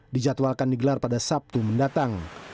dijadwalkan digelar pada sabtu mendatang